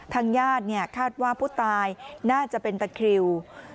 ทางญาติคาดว่าผู้ตายน่าจะเป็นตะคริว